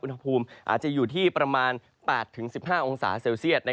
อุณหภูมิอาจจะอยู่ที่ประมาณ๘๑๕องศาเซลเซียต